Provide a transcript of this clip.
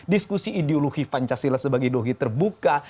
diskusi ideologi pancasila sebagai dohi terbuka